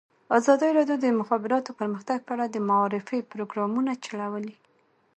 ازادي راډیو د د مخابراتو پرمختګ په اړه د معارفې پروګرامونه چلولي.